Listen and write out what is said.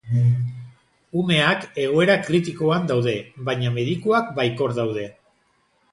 Umeak egoera kritikoan daude, baina medikuak baikor daude.